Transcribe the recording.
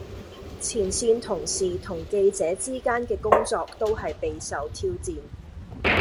前線同事同記者之間嘅工作都係備受挑戰